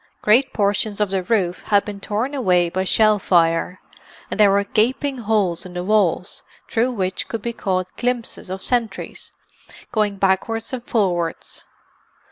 Great portions of the roof had been torn away by shell fire, and there were gaping holes in the walls through which could be caught glimpses of sentries going backwards and forwards.